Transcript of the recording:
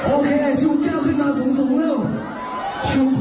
โอเคยดแก๊วขึ้นมาสูงเร็ว